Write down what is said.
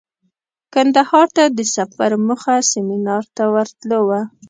کندهار ته د سفر موخه سمینار ته ورتلو وه.